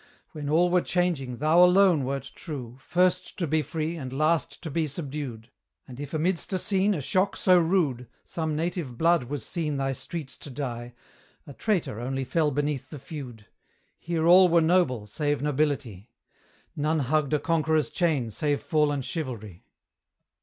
When all were changing, thou alone wert true, First to be free, and last to be subdued. And if amidst a scene, a shock so rude, Some native blood was seen thy streets to dye, A traitor only fell beneath the feud: Here all were noble, save nobility; None hugged a conqueror's chain save fallen Chivalry!